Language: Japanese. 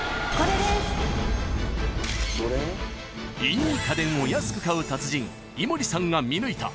［いい家電を安く買う達人伊森さんが見抜いた］